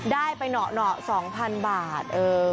ได้ไปเหนาะ๒๐๐๐บาท